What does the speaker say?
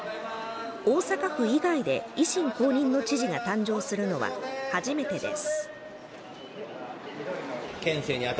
大阪府以外で、維新公認の知事が誕生するのは初めてです。